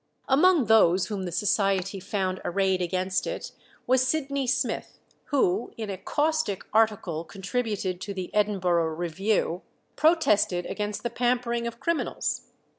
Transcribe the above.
Among those whom the Society found arrayed against it was Sydney Smith, who, in a caustic article contributed to the 'Edinburgh Review,' protested against the pampering of criminals.